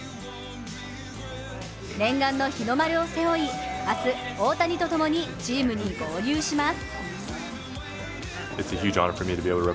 念願の日の丸を背負い、明日大谷とともにチームに合流します。